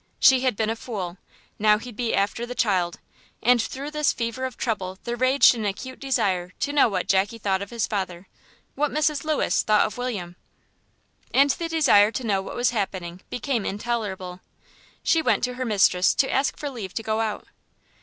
She had been a fool; now he'd be after the child; and through this fever of trouble there raged an acute desire to know what Jackie thought of his father, what Mrs. Lewis thought of William. And the desire to know what was happening became intolerable. She went to her mistress to ask for leave to go out.